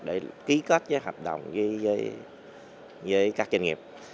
để ký kết với hợp đồng với các doanh nghiệp